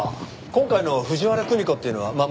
今回の藤原久美子っていうのはまあ